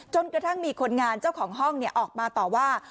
จนกระทั่งมีคนงานเจ้าของห้องออกมาต่อว่า